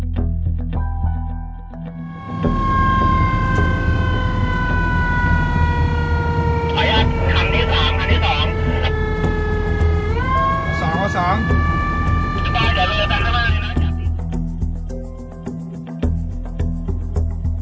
รอดตายรถเก่ง